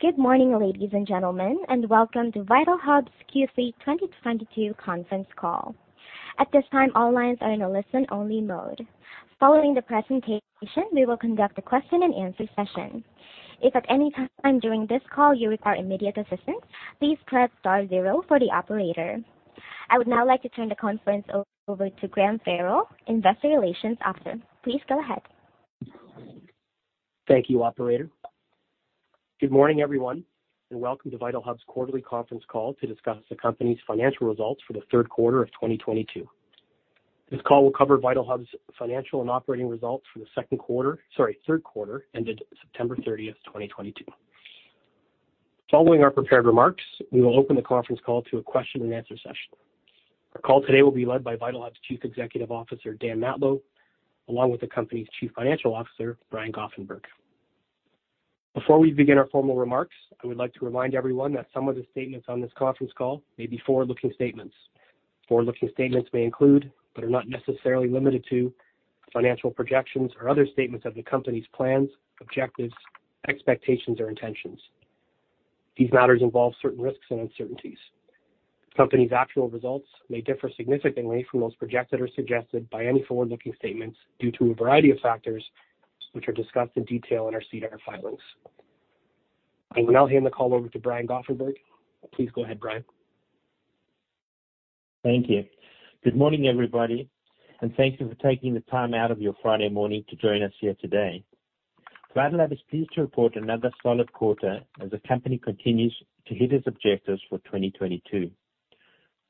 Good morning, ladies and gentlemen, and welcome to Vitalhub's Q3 2022 conference call. At this time, all lines are in a listen-only mode. Following the presentation, we will conduct a question-and-answer session. If at any time during this call you require immediate assistance, please press star zero for the operator. I would now like to turn the conference over to Graham Farrell, Investor Relations Officer. Please go ahead. Thank you, operator. Good morning, everyone, and welcome to Vitalhub's quarterly conference call to discuss the company's financial results for the third quarter of 2022. This call will cover Vitalhub's financial and operating results for the third quarter ended September 30th, 2022. Following our prepared remarks, we will open the conference call to a question-and-answer session. Our call today will be led by Vitalhub's Chief Executive Officer, Dan Matlow, along with the company's Chief Financial Officer, Brian Goffenberg. Before we begin our formal remarks, I would like to remind everyone that some of the statements on this conference call may be forward-looking statements. Forward-looking statements may include but are not necessarily limited to financial projections or other statements of the company's plans, objectives, expectations, or intentions. These matters involve certain risks and uncertainties. Company's actual results may differ significantly from those projected or suggested by any forward-looking statements due to a variety of factors, which are discussed in detail in our SEDAR filings. I will now hand the call over to Brian Goffenberg. Please go ahead, Brian. Thank you. Good morning, everybody, and thank you for taking the time out of your Friday morning to join us here today. Vitalhub is pleased to report another solid quarter as the company continues to hit its objectives for 2022.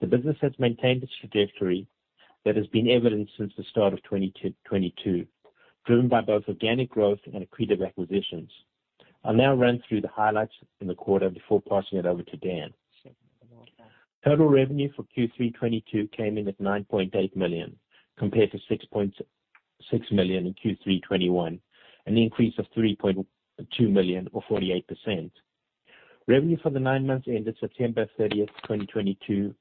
The business has maintained its trajectory that has been evident since the start of 2022, driven by both organic growth and accretive acquisitions. I'll now run through the highlights in the quarter before passing it over to Dan. Total revenue for Q3 2022 came in at 9.8 million, compared to 6.6 million in Q3 2021, an increase of 3.2 million or 48%. Revenue for the nine months ended September 30th, 2022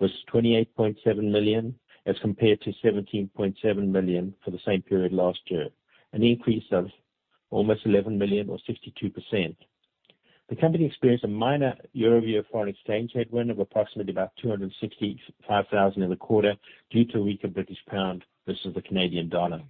was 28.7 million as compared to 17.7 million for the same period last year, an increase of almost 11 million or 62%. The company experienced a minor year-over-year foreign exchange headwind of approximately about 265,000 in the quarter due to weaker British pound versus the Canadian dollar.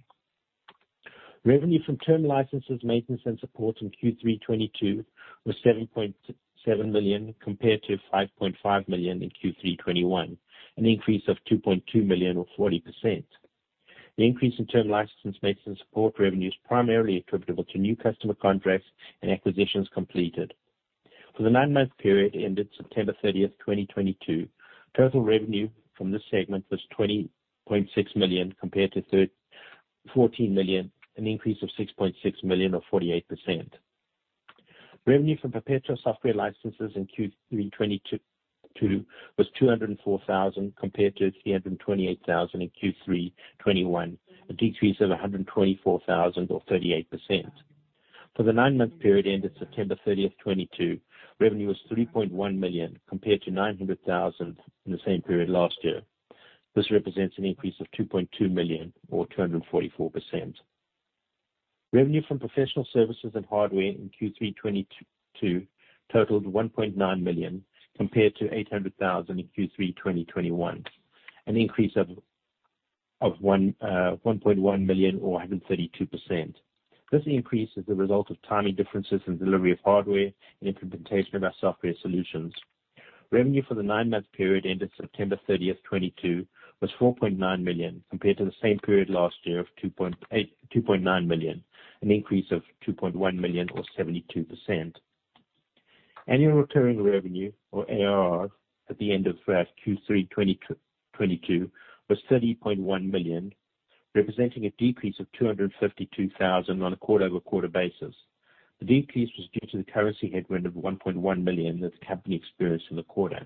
Revenue from term licenses, maintenance, and support in Q3 2022 was 7.7 million compared to 5.5 million in Q3 2021, an increase of 2.2 million or 40%. The increase in term license maintenance support revenue is primarily attributable to new customer contracts and acquisitions completed. For the nine-month period ended September 30th, 2022, total revenue from this segment was 20.6 million compared to 14 million, an increase of 6.6 million or 48%. Revenue from perpetual software licenses in Q3 2022 was 204,000 compared to 328,000 in Q3 2021, a decrease of 124,000 or 38%. For the nine-month period ended September 30th, 2022, revenue was 3.1 million compared to 900,000 in the same period last year. This represents an increase of 2.2 million or 244%. Revenue from professional services and hardware in Q3 2022 totaled 1.9 million compared to 800,000 in Q3 2021, an increase of 1.1 million or 132%. This increase is the result of timing differences in delivery of hardware and implementation of our software solutions. Revenue for the nine-month period ended September 30th, 2022, was 4.9 million compared to the same period last year of 2.9 million, an increase of 2.1 million or 72%. Annual recurring revenue or ARR at the end of Q3 2022 was 30.1 million, representing a decrease of 252,000 on a quarter-over-quarter basis. The decrease was due to the currency headwind of 1.1 million that the company experienced in the quarter.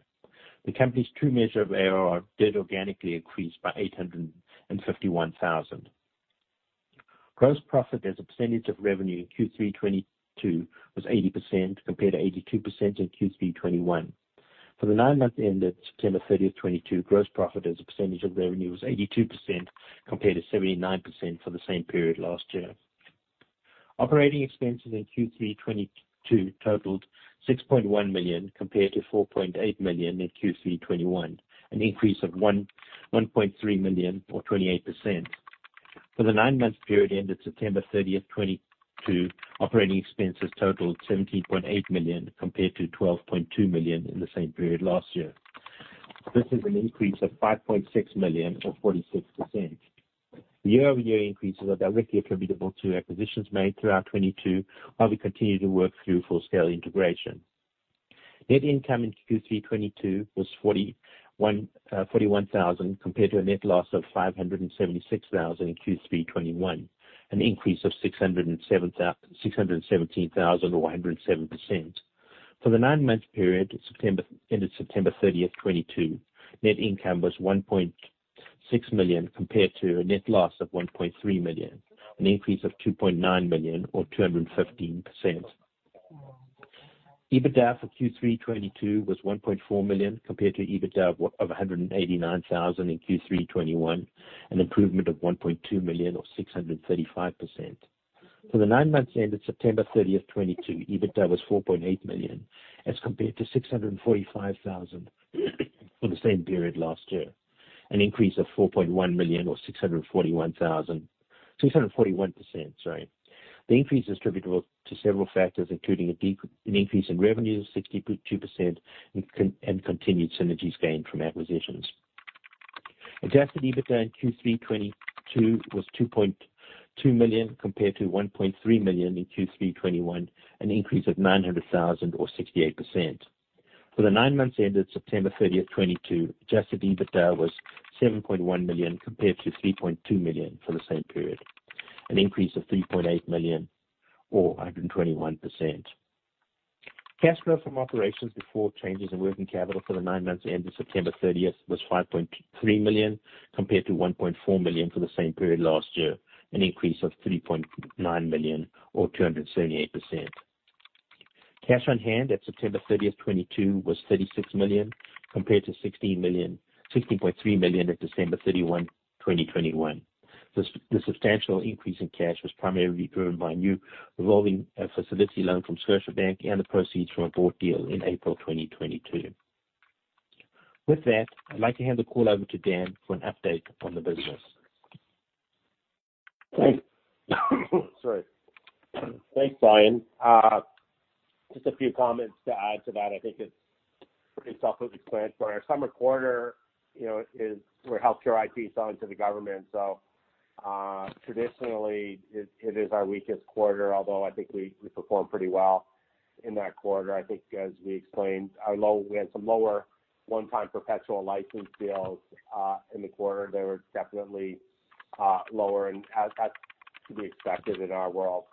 The company's true measure of ARR did organically increase by 851,000. Gross profit as a percentage of revenue in Q3 2022 was 80% compared to 82% in Q3 2021. For the nine months ended September 30th, 2022, gross profit as a percentage of revenue was 82% compared to 79% for the same period last year. Operating expenses in Q3 2022 totaled 6.1 million compared to 4.8 million in Q3 2021, an increase of 1.3 million or 28%. For the nine months period ended September 30th, 2022, operating expenses totaled 17.8 million compared to 12.2 million in the same period last year. This is an increase of 5.6 million or 46%. The year-over-year increases are directly attributable to acquisitions made throughout 2022 while we continue to work through full-scale integration. Net income in Q3 2022 was 41,000 compared to a net loss of 576,000 in Q3 2021, an increase of 617,000 or 107%. For the nine-month period ended September 30th, 2022, net income was 1.6 million compared to a net loss of 1.3 million, an increase of 2.9 million or 215%. EBITDA for Q3 2022 was 1.4 million compared to EBITDA of 189,000 in Q3 2021, an improvement of 1.2 million or 635%. For the nine months ended September 30th, 2022, EBITDA was 4.8 million as compared to 645,000 for the same period last year, an increase of 4.1 million or 641%, sorry. The increase is attributable to several factors, including an increase in revenues of 62% and continued synergies gained from acquisitions. Adjusted EBITDA in Q3 2022 was 2.2 million compared to 1.3 million in Q3 2021, an increase of 900,000 or 68%. For the nine months ended September 30th, 2022, adjusted EBITDA was 7.1 million compared to 3.2 million for the same period, an increase of 3.8 million or 121%. Cash flow from operations before changes in working capital for the nine months September 30th, 2022 was 5.3 million compared to 1.4 million for the same period last year, an increase of 3.9 million or 278%. Cash on hand at September 30th, 2022 was 36 million compared to 16.3 million at December 31, 2021. The substantial increase in cash was primarily driven by a new revolving facility loan from Scotiabank and the proceeds from a bought deal in April 2022. With that, I'd like to hand the call over to Dan for an update on the business. Thanks. Sorry. Thanks, Brian. Just a few comments to add to that. I think it's pretty self-explanatory. Our summer quarter, you know, is where healthcare IT selling to the government. Traditionally, it is our weakest quarter, although I think we performed pretty well in that quarter. I think as we explained, we had some lower one-time perpetual license deals in the quarter. They were definitely lower and as to be expected in our world.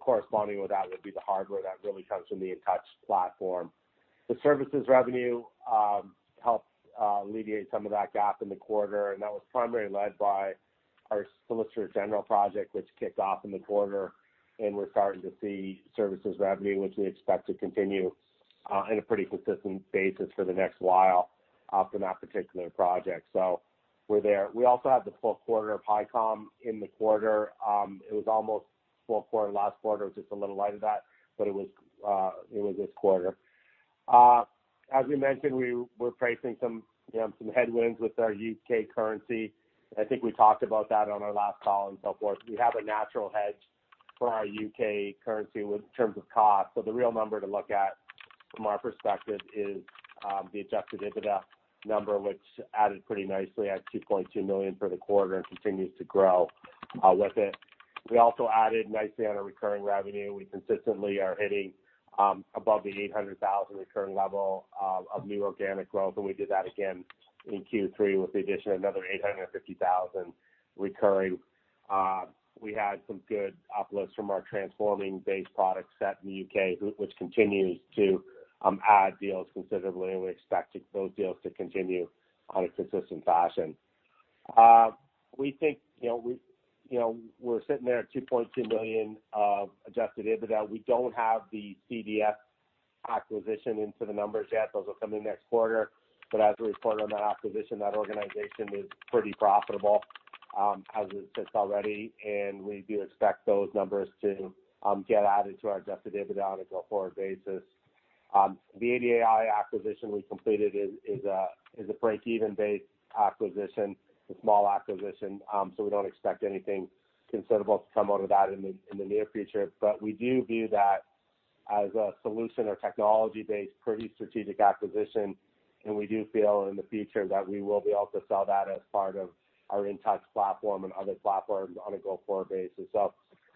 Corresponding with that would be the hardware that really comes from the Intouch platform. The services revenue helped alleviate some of that gap in the quarter, and that was primarily led by our Solicitor General project, which kicked off in the quarter. We're starting to see services revenue, which we expect to continue in a pretty consistent basis for the next while off in that particular project. We're there. We also have the full quarter of Hicom in the quarter. It was almost full quarter. Last quarter was just a little light of that, but it was this quarter. As we mentioned, you know, some headwinds with our U.K. currency. I think we talked about that on our last call and so forth. We have a natural hedge for our U.K. currency with terms of cost. The real number to look at from our perspective is the adjusted EBITDA number, which added pretty nicely at 2.2 million for the quarter and continues to grow with it. We also added nicely on our recurring revenue. We consistently are hitting above the 800,000 recurring level of new organic growth, and we did that again in Q3 with the addition of another 850,000 recurring. We had some good uplifts from our transforming base product set in the U.K., which continues to add deals considerably, and we're expecting those deals to continue on a consistent fashion. We think, you know, we're sitting there at 2.2 million of adjusted EBITDA. We don't have the CDS acquisition into the numbers yet. Those will come in next quarter. As we reported on that acquisition, that organization is pretty profitable, as it sits already, and we do expect those numbers to get added to our adjusted EBITDA on a go-forward basis. The ADI acquisition we completed is a break-even based acquisition, a small acquisition, so we don't expect anything considerable to come out of that in the near future. We do view that as a solution or technology-based pretty strategic acquisition, and we do feel in the future that we will be able to sell that as part of our Intouch platform and other platforms on a go-forward basis.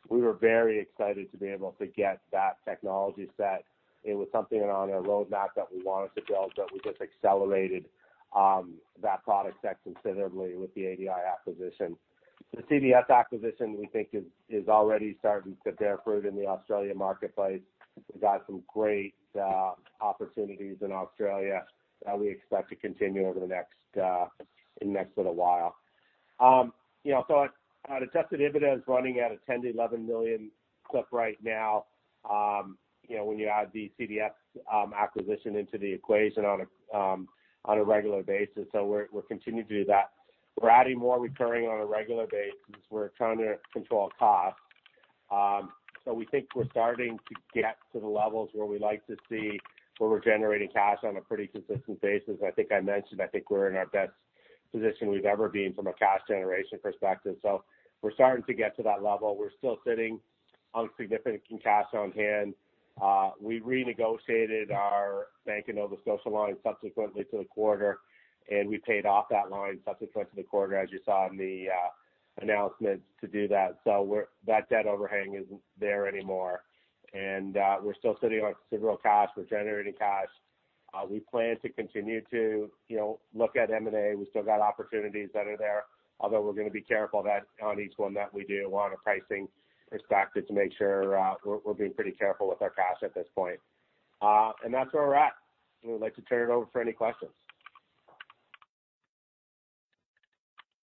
We were very excited to be able to get that technology set. It was something on our roadmap that we wanted to build, but we just accelerated that product set considerably with the ADI acquisition. The CDS acquisition, we think is already starting to bear fruit in the Australian marketplace. We got some great opportunities in Australia that we expect to continue in the next little while. You know, our adjusted EBITDA is running at a 10 million-11 million clip right now, you know, when you add the CDS acquisition into the equation on a regular basis. We're continuing to do that. We're adding more recurring on a regular basis. We're trying to control costs. We think we're starting to get to the levels where we like to see where we're generating cash on a pretty consistent basis. I think I mentioned we're in our best position we've ever been from a cash generation perspective. We're starting to get to that level. We're still sitting on significant cash on hand. We renegotiated our Bank of Nova Scotia line subsequently to the quarter, and we paid off that line subsequent to the quarter as you saw in the announcements to do that. That debt overhang isn't there anymore. We're still sitting on several cash. We're generating cash. We plan to continue to, you know, look at M&A. We still got opportunities that are there, although we're gonna be careful that on each one that we do on a pricing perspective to make sure we're being pretty careful with our cash at this point. That's where we're at. We would like to turn it over for any questions.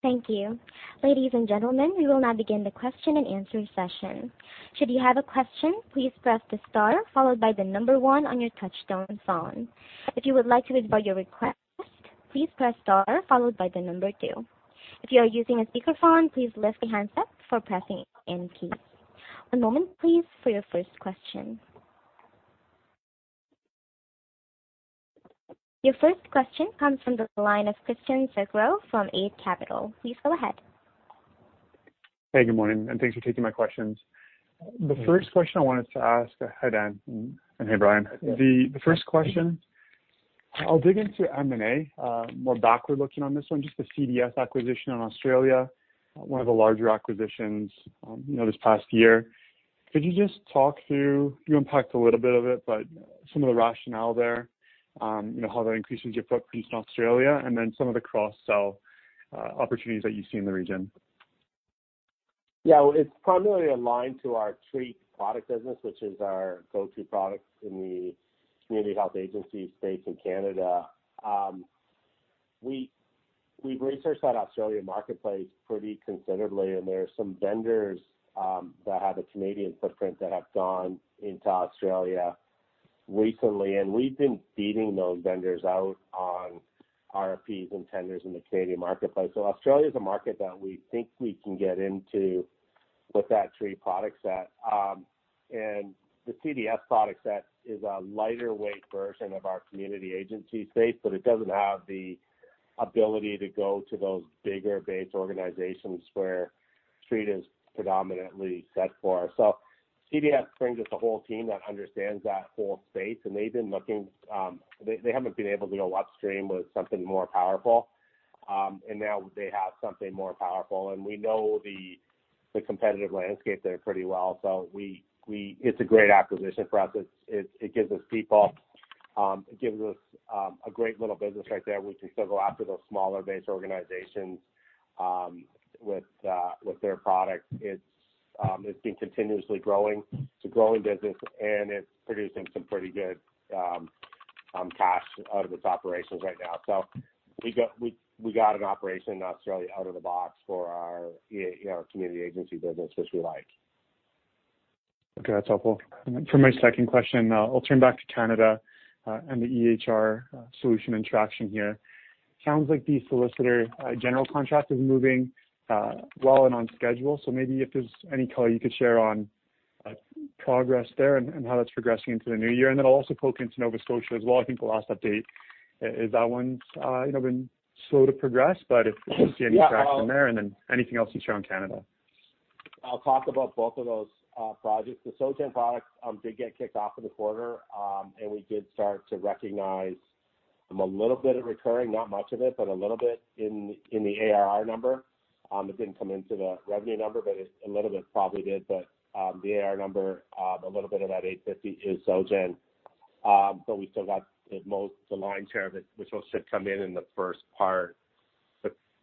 Thank you. Ladies and gentlemen, we will now begin the question and answer session. Should you have a question, please press the star followed by the number one on your touchtone phone. If you would like to withdraw your request, please press star followed by the number two. If you are using a speakerphone, please lift the handset before pressing any key. One moment please for your first question. Your first question comes from the line of Christian Sgro from Eight Capital. Please go ahead. Hey, good morning, and thanks for taking my questions. The first question I wanted to ask. Hi, Dan, and hey, Brian. The first question, I'll dig into M&A, more backward-looking on this one, just the CDS acquisition in Australia, one of the larger acquisitions, you know, this past year. Could you just talk through, you unpacked a little bit of it, but some of the rationale there, you know, how that increases your footprint in Australia and then some of the cross-sell opportunities that you see in the region. Yeah. It's primarily aligned to our TREAT product business, which is our go-to product in the community health agency space in Canada. We've researched that Australian marketplace pretty considerably, and there are some vendors that have a Canadian footprint that have gone into Australia recently, and we've been beating those vendors out on RFPs and tenders in the Canadian marketplace. Australia is a market that we think we can get into with that TREAT product set. The CDS product set is a lighter weight version of our community agency space, but it doesn't have the ability to go to those bigger base organizations where TREAT is predominantly set for. CDS brings us a whole team that understands that whole space, and they've been looking. They haven't been able to go upstream with something more powerful. Now they have something more powerful. We know the competitive landscape there pretty well. It's a great acquisition for us. It gives us people. It gives us a great little business right there. We can still go after those smaller base organizations with their product. It's been continuously growing. It's a growing business, and it's producing some pretty good cash out of its operations right now. We got an operation in Australia out of the box for our, you know, our community agency business, which we like. Okay. That's helpful. For my second question, I'll turn back to Canada, and the EHR solution and traction here. Sounds like the Solicitor General contract is moving well and on schedule. Maybe if there's any color you could share on progress there and how that's progressing into the new year. I'll also poke into Nova Scotia as well. I think the last update is that one's, you know, been slow to progress, but if we see any traction there and then anything else you share on Canada. I'll talk about both of those projects. The SoGen product did get kicked off in the quarter and we did start to recognize a little bit of recurring, not much of it, but a little bit in the ARR number. It didn't come into the revenue number, but a little bit probably did. The ARR number, a little bit of that 850 is SoGen. We still got the most, the lion's share of it, which will still come in in the first part,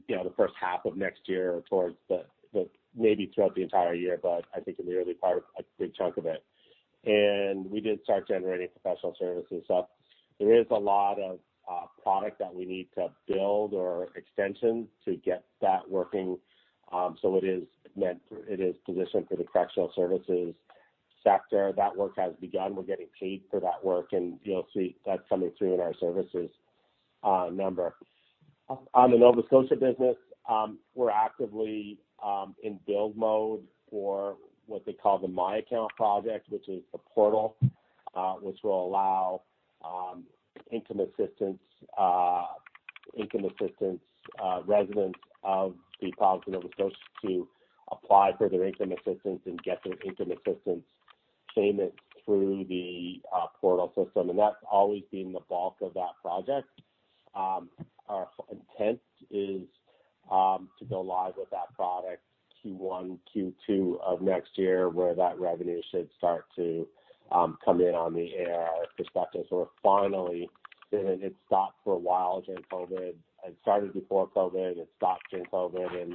you know, the first half of next year or towards the maybe throughout the entire year, but I think in the early part, a big chunk of it. We did start generating professional services. There is a lot of product that we need to build or extension to get that working. It is meant, it is positioned for the correctional services sector. That work has begun. We're getting paid for that work, and you'll see that coming through in our services number. On the Nova Scotia business, we're actively in build mode for what they call the My Account project, which is a portal which will allow income assistance residents of the province of Nova Scotia to apply for their income assistance and get their income assistance payments through the portal system. That's always been the bulk of that project. Our intent is to go live with that product Q1, Q2 of next year, where that revenue should start to come in on the ARR perspective. It stopped for a while during COVID. It started before COVID, it stopped during COVID, and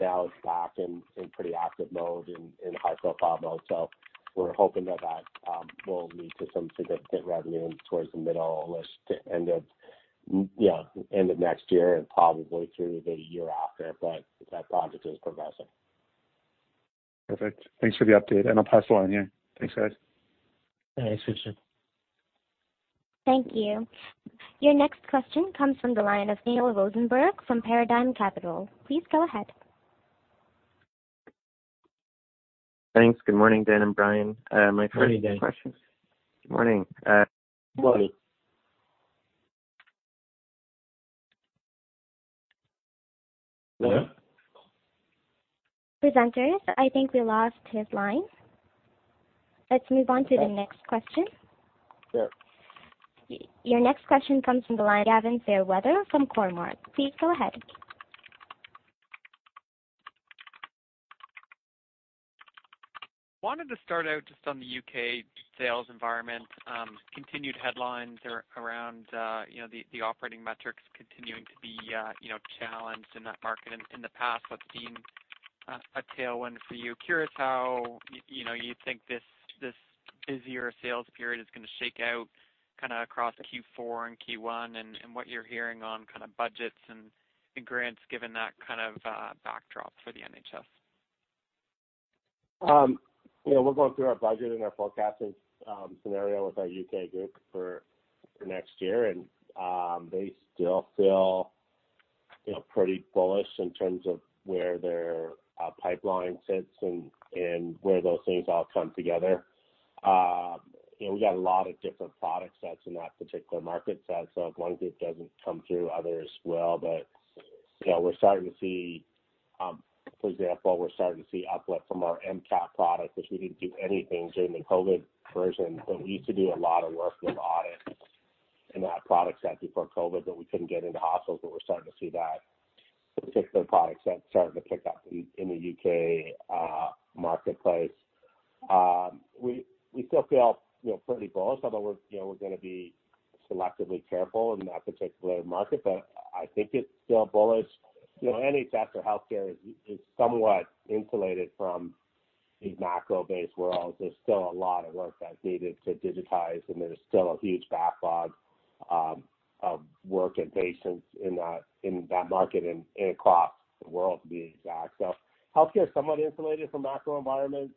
now it's back in pretty active mode, in high-profile mode. We're hoping that will lead to some significant revenue towards the middle-ish to end of next year and probably through the year after. That project is progressing. Perfect. Thanks for the update, and I'll pass the line here. Thanks, guys. All right. Thanks, Christian. Thank you. Your next question comes from the line of Daniel Rosenberg from Paradigm Capital. Please go ahead. Thanks. Good morning, Dan and Brian. My first question- Morning. Good morning. Morning. Hello? Presenters, I think we lost his line. Let's move on to the next question. Sure. Your next question comes from the line of Gavin Fairweather from Cormark. Please go ahead. Wanted to start out just on the U.K. sales environment. Continued headlines around, you know, the operating metrics continuing to be, you know, challenged in that market. In the past, what's been a tailwind for you. Curious how, you know, you think this busier sales period is gonna shake out kind of across Q4 and Q1, and what you're hearing on kind of budgets and grants given that kind of backdrop for the NHS. You know, we're going through our budget and our forecasting scenario with our U.K. group for next year. They still feel, you know, pretty bullish in terms of where their pipeline sits and where those things all come together. You know, we got a lot of different product sets in that particular market set, so if one group doesn't come through, others will. You know, we're starting to see, for example, we're starting to see uplift from our MCAP product, which we didn't do anything during the COVID version. We used to do a lot of work with audits in that product set before COVID, but we couldn't get into hospitals, but we're starting to see that particular product set starting to pick up in the U.K. marketplace. We still feel, you know, pretty bullish, although we're, you know, gonna be selectively careful in that particular market. I think it's still bullish. You know, any sector healthcare is somewhat insulated from these macro-based worlds. There's still a lot of work that's needed to digitize, and there's still a huge backlog of work and patients in that market and across the world, to be exact. Healthcare is somewhat insulated from macro environments.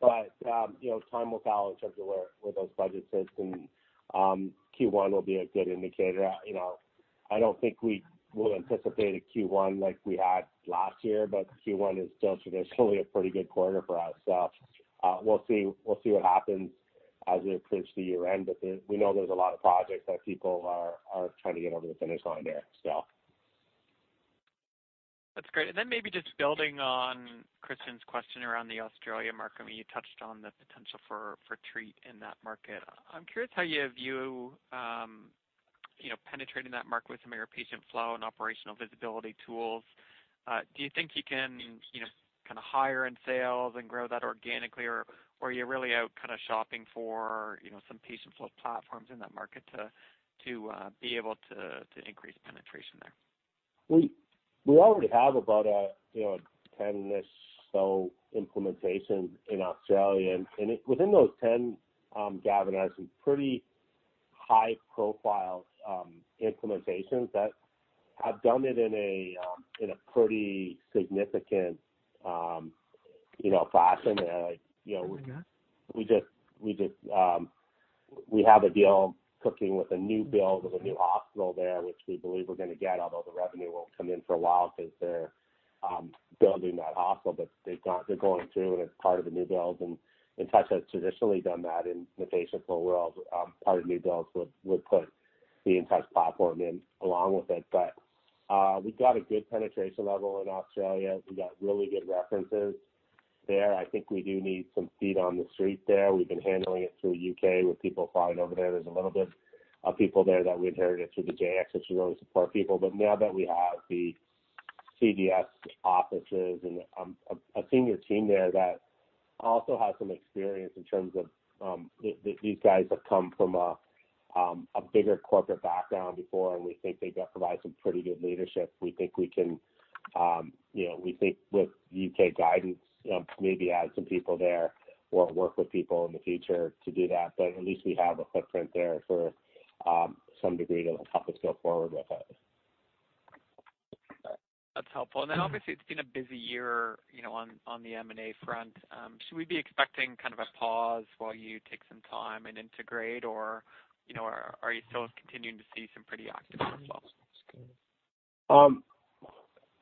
Time will tell in terms of where those budgets sit, and Q1 will be a good indicator. You know, I don't think we will anticipate a Q1 like we had last year, but Q1 is still traditionally a pretty good quarter for us. We'll see what happens as we approach the year-end. There, we know there's a lot of projects that people are trying to get over the finish line there, so. That's great. Maybe just building on Christian's question around the Australia market, I mean, you touched on the potential for TREAT in that market. I'm curious how you view, you know, penetrating that market with some of your patient flow and operational visibility tools. Do you think you can, you know, kind of hire in sales and grow that organically? Or are you really out kind of shopping for, you know, some patient flow platforms in that market to be able to increase penetration there? We already have about 10 or so implementations in Australia. Within those 10, Gavin, are some pretty high-profile implementations that have done it in a pretty significant fashion, you know. Okay. We have a deal cooking with a new build of a new hospital there, which we believe we're gonna get, although the revenue won't come in for a while 'cause they're building that hospital. They've gone, they're going through and it's part of the new build, and Intouch has traditionally done that in the patient flow world. Part of new builds will put the Intouch platform in along with it. We've got a good penetration level in Australia. We got really good references there. I think we do need some feet on the street there. We've been handling it through U.K., with people flying over there. There's a little bit of people there that we inherited through the Jayex, which we really support people. Now that we have the CDS offices and a senior team there that also has some experience in terms of these guys have come from a bigger corporate background before, and we think they provide some pretty good leadership. We think we can, you know, we think with U.K. guidance, maybe add some people there or work with people in the future to do that. At least we have a footprint there to some degree to help us go forward with it. That's helpful. Obviously it's been a busy year, you know, on the M&A front. Should we be expecting kind of a pause while you take some time and integrate? Or, you know, are you still continuing to see some pretty active results?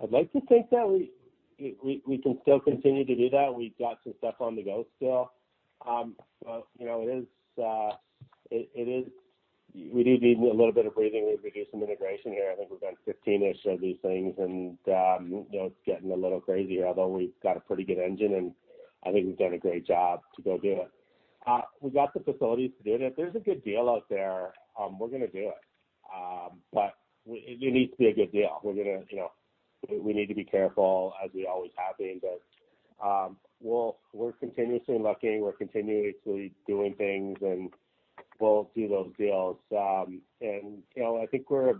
I'd like to think that we can still continue to do that. We've got some stuff on the go still. You know, it is. We do need a little bit of breathing room. We do some integration here. I think we've done 15-ish of these things and, you know, it's getting a little crazy. Although we've got a pretty good engine, and I think we've done a great job to go do it. We've got the facilities to do it. If there's a good deal out there, we're gonna do it. It needs to be a good deal. We're gonna, you know, we need to be careful, as we always have been. We'll. We're continuously looking, we're continuously doing things, and we'll do those deals. You know, I think we're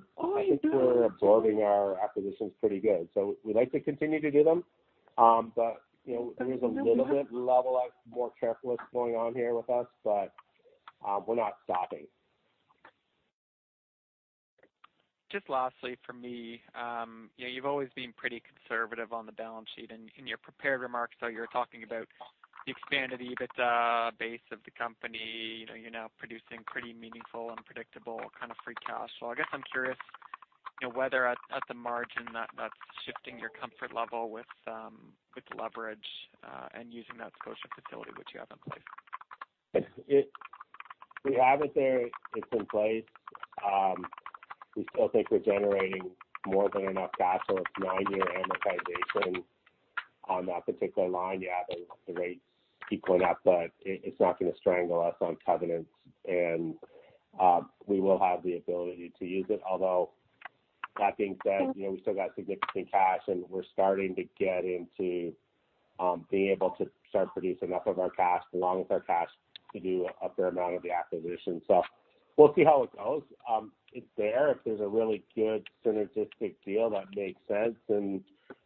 absorbing our acquisitions pretty good. We'd like to continue to do them. You know, we're a little bit more careful about what's going on here with us, but we're not stopping. Just lastly from me, you know, you've always been pretty conservative on the balance sheet. In your prepared remarks, though, you're talking about the expanded EBITDA base of the company. You know, you're now producing pretty meaningful and predictable kind of free cash flow. I guess I'm curious, you know, whether at the margin that's shifting your comfort level with leverage and using that sponsorship facility which you have in place. It, we have it there, it's in place. We still think we're generating more than enough cash. It's nine-year amortization on that particular line. Yeah, the rates keep going up, but it's not gonna strangle us on covenants. We will have the ability to use it. Although that being said, you know, we still got significant cash and we're starting to get into being able to start producing off of our cash, along with our cash to do a fair amount of the acquisition. We'll see how it goes. It's there. If there's a really good synergistic deal that makes sense and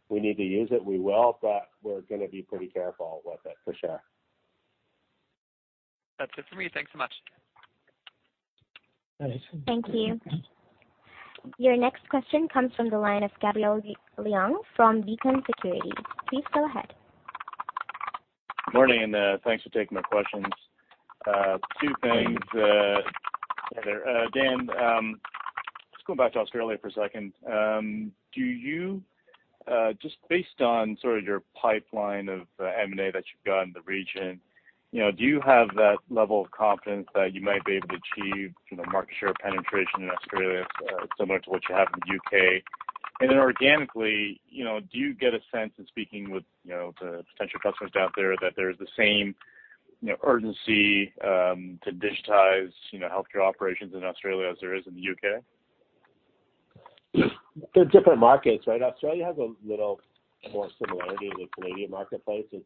we need to use it, we will. We're gonna be pretty careful with it, for sure. That's it for me. Thanks so much. Thanks. Thank you. Your next question comes from the line of Gabriel Leung from Beacon Securities. Please go ahead. Good morning, and, thanks for taking my questions. Two things- Good morning. Hi there. Dan, just going back to Australia for a second. Do you just based on sort of your pipeline of M&A that you've got in the region, you know, do you have that level of confidence that you might be able to achieve, you know, market share penetration in Australia similar to what you have in the U.K.? Organically, you know, do you get a sense in speaking with, you know, the potential customers out there that there's the same, you know, urgency to digitize, you know, healthcare operations in Australia as there is in the U.K.? They're different markets, right? Australia has a little more similarity to the Canadian marketplace. It's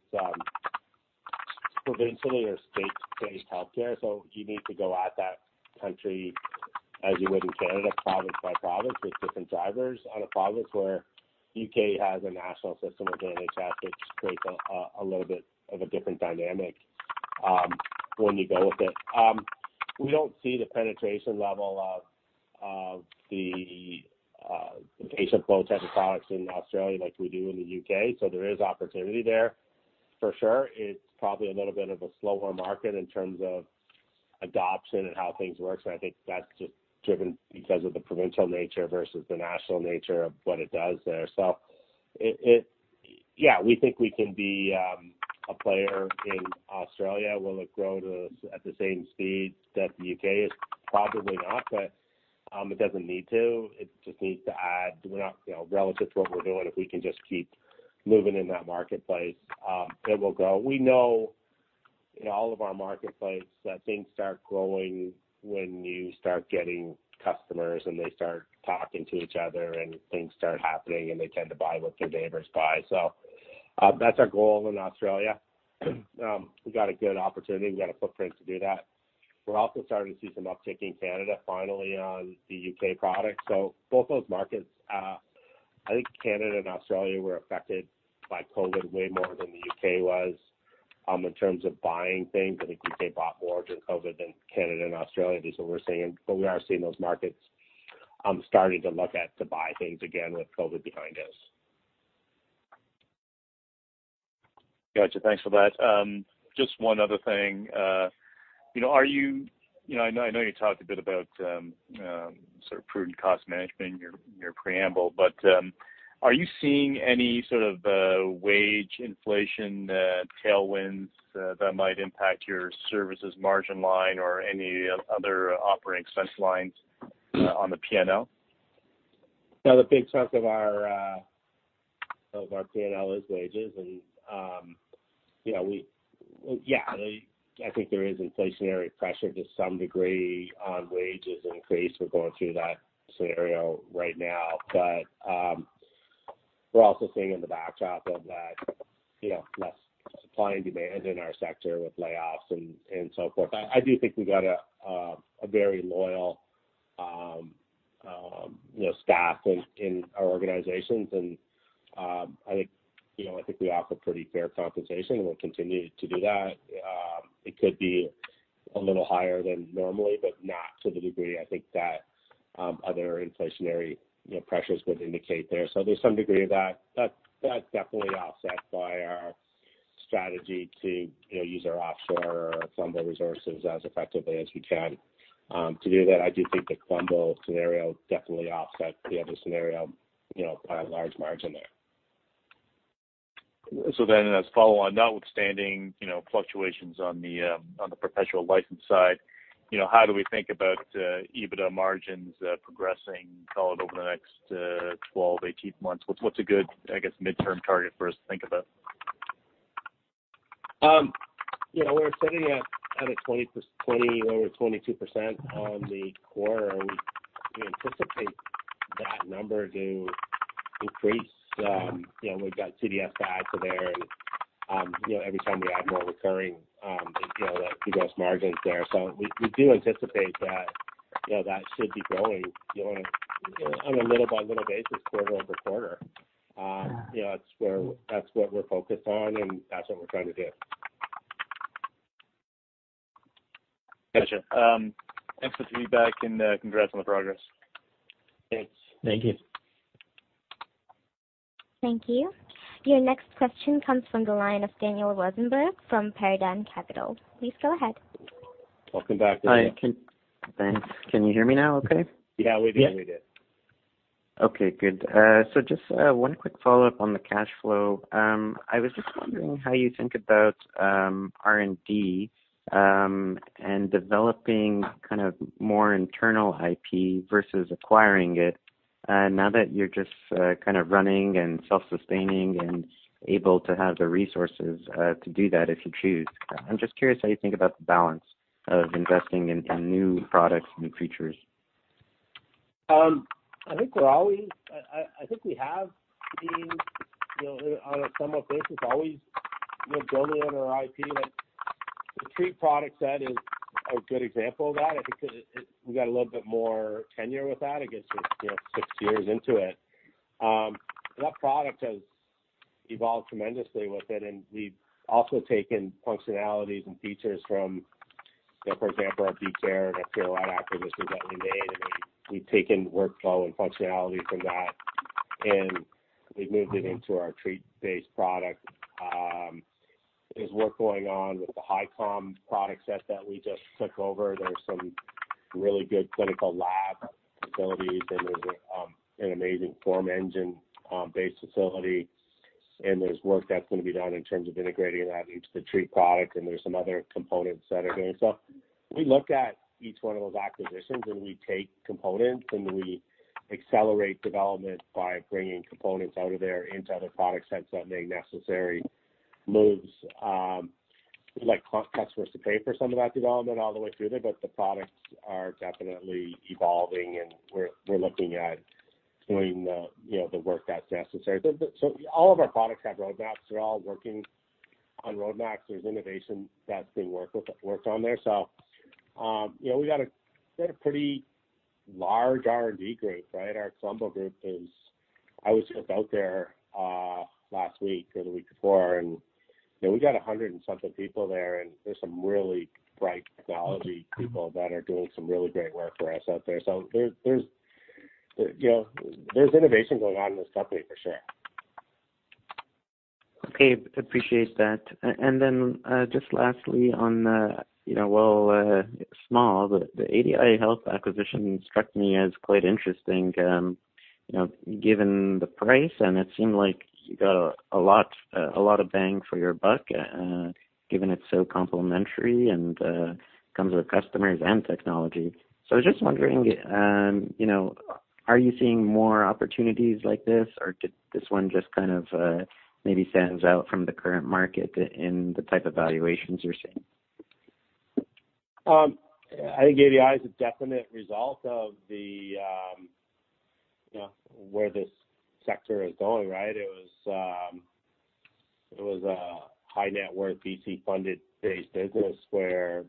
provincially or state-based healthcare, so you need to go to that country as you would in Canada, province by province. There's different drivers in a province where U.K. has a national system with NHS, which creates a little bit of a different dynamic when you go into it. We don't see the penetration level of the patient flow type of products in Australia like we do in the U.K. There is opportunity there for sure. It's probably a little bit of a slower market in terms of adoption and how things work. I think that's just driven because of the provincial nature versus the national nature of what it does there. Yeah, we think we can be a player in Australia. Will it grow at the same speed that the U.K. is? Probably not, but it doesn't need to. It just needs to add. We're not, you know, relative to what we're doing, if we can just keep moving in that marketplace, it will grow. We know in all of our marketplace that things start growing when you start getting customers and they start talking to each other and things start happening, and they tend to buy what their neighbors buy. That's our goal in Australia. We got a good opportunity. We got a footprint to do that. We're also starting to see some uptick in Canada finally on the U.K. product. Both those markets, I think Canada and Australia were affected by COVID way more than the U.K. was, in terms of buying things. I think the U.K. bought more during COVID than Canada and Australia. That's what we're seeing. We are seeing those markets, starting to look at to buy things again with COVID behind us. Gotcha. Thanks for that. Just one other thing. You know, are you know, I know you talked a bit about sort of prudent cost management in your preamble, but are you seeing any sort of wage inflation tailwinds that might impact your services margin line or any other operating expense lines on the P&L? Yeah. The big chunk of our P&L is wages and, you know, yeah, I think there is inflationary pressure to some degree on wages increase. We're going through that scenario right now. We're also seeing in the backdrop of that, you know, less supply and demand in our sector with layoffs and so forth. I do think we got a very loyal, you know, staff in our organizations and, I think, you know, I think we offer pretty fair compensation and we'll continue to do that. It could be a little higher than normally, but not to the degree I think that other inflationary, you know, pressures would indicate there. There's some degree of that. That's definitely offset by our strategy to, you know, use our offshore or Mumbai resources as effectively as we can. To do that, I do think the Mumbai scenario definitely offsets the other scenario, you know, by a large margin there. As a follow-on, notwithstanding, you know, fluctuations on the perpetual license side, you know, how do we think about EBITDA margins progressing, call it over the next 12 months, 18 months? What's a good, I guess, mid-term target for us to think about? You know, we're sitting at kind of 20%-22% on the quarter. We anticipate that number to increase. You know, we've got CDS to add to there and, you know, every time we add more recurring, you know, the gross margins there. We do anticipate that, you know, that should be growing on a little by little basis quarter-over-quarter. You know, that's what we're focused on, and that's what we're trying to do. Gotcha. Thanks for the feedback and, congrats on the progress. Thanks. Thank you. Your next question comes from the line of Daniel Rosenberg from Paradigm Capital. Please go ahead. Welcome back, Daniel. Hi. Thanks. Can you hear me now okay? Yeah, we do. We do. Yes. Okay, good. Just one quick follow-up on the cash flow. I was just wondering how you think about R&D and developing kind of more internal IP versus acquiring it. Now that you're just kind of running and self-sustaining and able to have the resources to do that if you choose. I'm just curious how you think about the balance of investing in new products, new features. I think we have been, you know, on a somewhat basis, always, you know, building on our IP. Like, the TREAT product set is a good example of that. I think it we got a little bit more tenure with that. I guess we're, you know, six years into it. That product has evolved tremendously with it, and we've also taken functionalities and features from, you know, for example, our vCare and FQOD acquisitions that we made. I mean, we've taken workflow and functionality from that, and we've moved it into our TREAT-based product. There's work going on with the Hicom product set that we just took over. There's some really good clinical lab abilities, and there's an amazing form engine based facility. There's work that's gonna be done in terms of integrating that into the TREAT product, and there's some other components that are there. We look at each one of those acquisitions, and we take components, and we accelerate development by bringing components out of there into other product sets that make necessary moves. We'd like customers to pay for some of that development all the way through there, but the products are definitely evolving and we're looking at doing the work that's necessary. All of our products have roadmaps. They're all working on roadmaps. There's innovation that's being worked on there. We got a pretty large R&D group, right? Our Colombo group is. I was just out there last week or the week before, and, you know, we got 100-something people there, and there's some really bright technology people that are doing some really great work for us out there. You know, there's innovation going on in this company for sure. Okay. Appreciate that. Just lastly on, you know, while small, the ADI Health acquisition struck me as quite interesting, you know, given the price, and it seemed like you got a lot of bang for your buck, given it's so complementary and comes with customers and technology. I was just wondering, you know, are you seeing more opportunities like this, or did this one just kind of maybe stand out from the current market in the type of valuations you're seeing? I think ADI is a definite result of the, you know, where this sector is going, right? It was a high net worth VC-funded based business where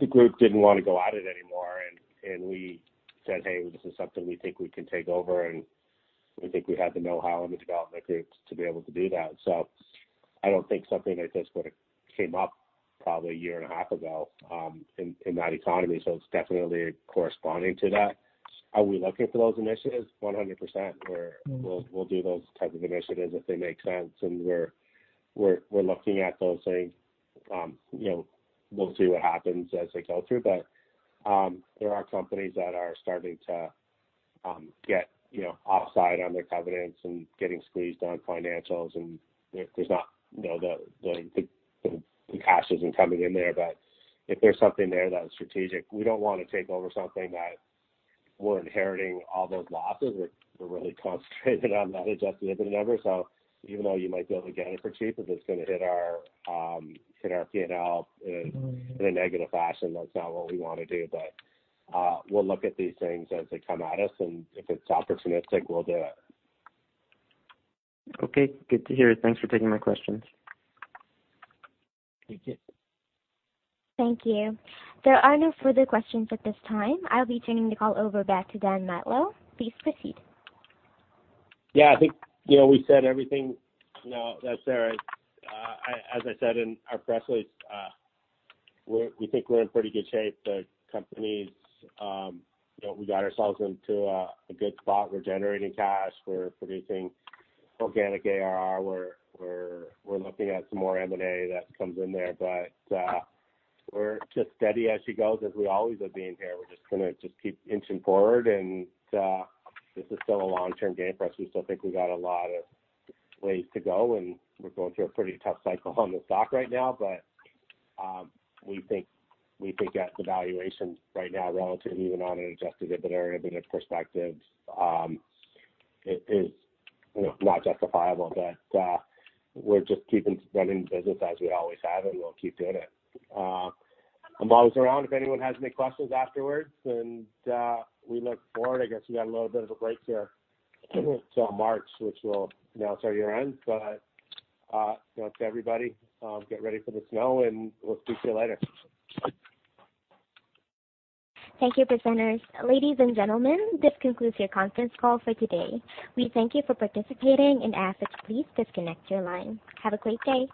the group didn't wanna go at it anymore. We said, "Hey, this is something we think we can take over, and we think we have the know-how and the development group to be able to do that." I don't think something like this would've came up probably a year and a half ago, in that economy. It's definitely corresponding to that. Are we looking for those initiatives? 100%. We'r We'll do those type of initiatives if they make sense, and we're looking at those saying, you know, we'll see what happens as they go through. There are companies that are starting to get, you know, offside on their covenants and getting squeezed on financials, and there's not, you know, the cash isn't coming in there. If there's something there that is strategic, we don't wanna take over something that we're inheriting all those losses. We're really concentrated on that adjusted EBITDA number. Even though you might be able to get it for cheap, if it's gonna hit our P&L in- a negative fashion, that's not what we wanna do. We'll look at these things as they come at us, and if it's opportunistic we'll do it. Okay, good to hear. Thanks for taking my questions. Thank you. Thank you. There are no further questions at this time. I'll be turning the call over back to Dan Matlow. Please proceed. Yeah. I think, you know, we said everything, you know, that's there. As I said in our press release, we think we're in pretty good shape. The company, you know, we got ourselves into a good spot. We're generating cash. We're producing organic ARR. We're looking at some more M&A that comes in there, but we're just steady as she goes as we always have been here. We're just gonna just keep inching forward, and this is still a long-term game for us. We still think we got a lot of ways to go, and we're going through a pretty tough cycle on the stock right now. We think that the valuation right now, relatively even on an adjusted EBITDA or EBITDA perspective, it is, you know, not justifiable. We're just keep on running the business as we always have, and we'll keep doing it. I'm always around if anyone has any questions afterwards, and we look forward. I guess we got a little bit of a break here till March, which we'll announce our year-end. You know, to everybody, get ready for the snow, and we'll speak to you later. Thank you, presenters. Ladies and gentlemen, this concludes your conference call for today. We thank you for participating and ask that you please disconnect your line. Have a great day.